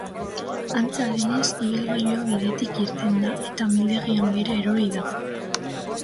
Antza denez, ibilgailua bidetik irten eta amildegian behera erori da.